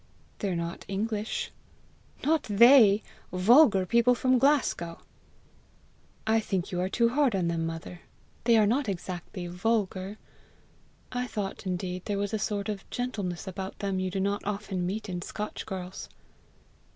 "They're not English!" "Not they! vulgar people from Glasgow!" "I think you are too hard on them, mother! They are not exactly vulgar. I thought, indeed, there was a sort of gentleness about them you do not often meet in Scotch girls!"